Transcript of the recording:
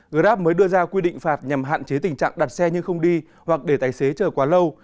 grab mới đưa ra quy định phạt nhằm hạn chế tình trạng đặt xe nhưng không đi hoặc để tài xế chờ quá lâu